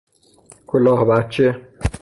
کلاه بچه